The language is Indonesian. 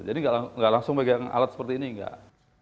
jadi nggak langsung pegang alat seperti ini nggak